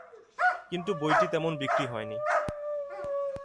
কিন্তু বইটি তেমন বিক্রি হয়নি।